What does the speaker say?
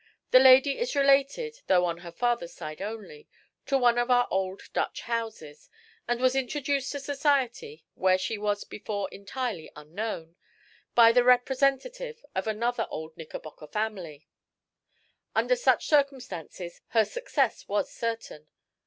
The lady is related, though on the father's side only, to one of our old Dutch houses, and was introduced to society, where she was before entirely unknown, by the representative of another old Knickerbocker family. Under such circumstances her success was certain.